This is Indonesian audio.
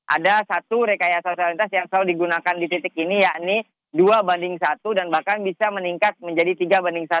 ada satu rekayasa lalu lintas yang selalu digunakan di titik ini yakni dua banding satu dan bahkan bisa meningkat menjadi tiga banding satu